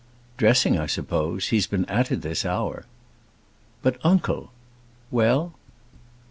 "Dressing, I suppose; he's been at it this hour." "But, uncle " "Well?"